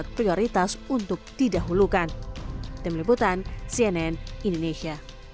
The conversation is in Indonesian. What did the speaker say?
tidak ada korban jiwa dalam kecelakaan ini